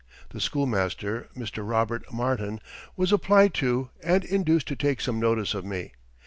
The schoolmaster, Mr. Robert Martin, was applied to and induced to take some notice of me.